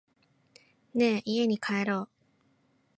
ねぇ、家に帰ろう。